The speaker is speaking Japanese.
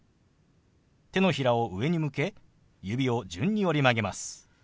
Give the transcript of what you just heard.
手のひらを上に向け指を順に折り曲げます。